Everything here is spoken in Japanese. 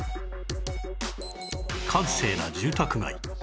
閑静な住宅街